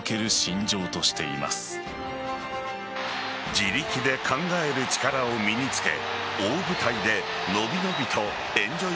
自力で考える力を身に付け大舞台でのびのびとエンジョイ